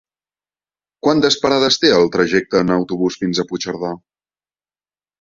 Quantes parades té el trajecte en autobús fins a Puigcerdà?